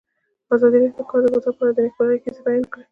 ازادي راډیو د د کار بازار په اړه د نېکمرغۍ کیسې بیان کړې.